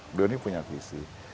beloni punya visi